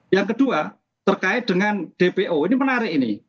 yang kedua terkait dengan dpo ini menarik ini